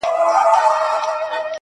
اول بخښنه درڅه غواړمه زه.